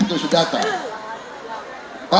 pastikan jangan sampai ada angka yang diubah